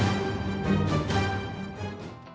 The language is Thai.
โดยการข่าวหลัยพิกัด